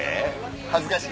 恥ずかしい。